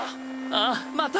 ああまた。